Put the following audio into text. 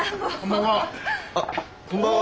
あっこんばんは！